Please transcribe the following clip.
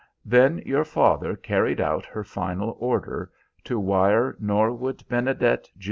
Then your father carried out her final order to wire Norwood Benedet, Jr.